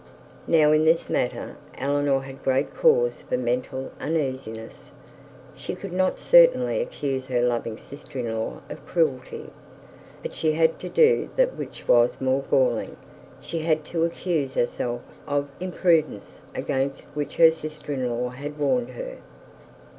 Now, in this matter, Eleanor had great cause for uneasiness. She could not certainly accuse her loving sister in law of cruelty; but she had to do that which was more galling; she had to accuse herself of an imprudence against which her sister in law had warned her.